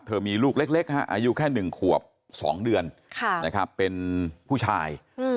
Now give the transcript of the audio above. เธอมีลูกเล็กอายุแค่หนึ่งขวบสองเดือนเป็นผู้ชาย